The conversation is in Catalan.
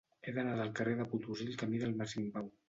He d'anar del carrer de Potosí al camí del Mas Guimbau.